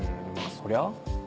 そりゃ。